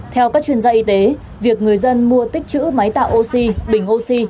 theo các chuyên gia y tế việc người dân mua tích chữ máy tạo oxy bình oxy